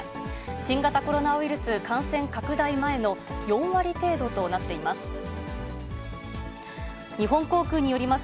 新型コロナウイルス感染拡大前の４割程度となっています。